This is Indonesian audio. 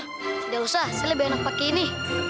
tidak usah saya lebih enak pakai ini